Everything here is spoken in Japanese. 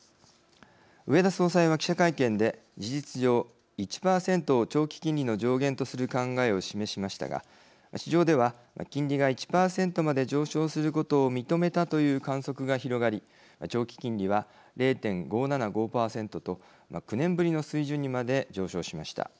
植田総裁は記者会見で事実上１％を長期金利の上限とする考えを示しましたが市場では金利が１％まで上昇することを認めたという観測が広がり長期金利は０．５７５％と９年ぶりの水準にまで上昇しました。